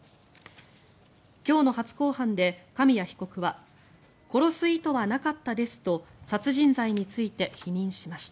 今日の初公判で神谷被告は殺す意図はなかったですと殺人罪について否認しました。